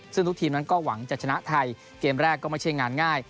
ซึ่งทุกทีมนั้นก็หวังจะชนะไทยเกมแรกก็ไม่ใช่งานง่าย